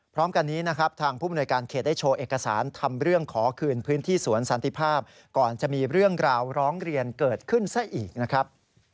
พร้อมกันนี้นะครับทางผู้มนวยการเขตได้โชว์เอกสารทำเรื่องขอคืนพื้นที่สวนสันติภาพก่อนจะมีเรื่องราวร้องเรียนเกิดขึ้นซะอีกนะครับ